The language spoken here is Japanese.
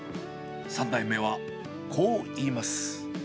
３代目はこう言います。